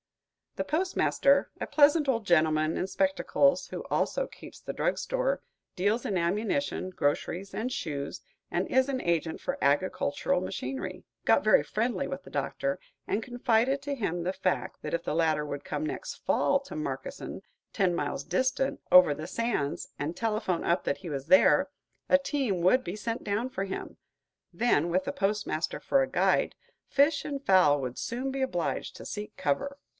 The postmaster a pleasant old gentleman in spectacles, who also keeps the drug store, deals in ammunition, groceries, and shoes, and is an agent for agricultural machinery got very friendly with the Doctor, and confided to him the fact that if the latter would come next fall to Markesan, ten miles distant, over the sands, and telephone up that he was there, a team would be sent down for him; then, with the postmaster for a guide, fish and fowl would soon be obliged to seek cover.